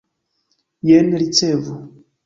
Jen, ricevu!